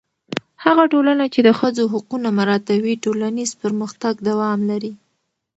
هغه ټولنه چې د ښځو حقونه مراعتوي، ټولنیز پرمختګ دوام لري.